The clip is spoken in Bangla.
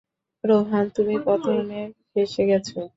রোহান, তুমি প্রথমে ফেঁসে গেছ।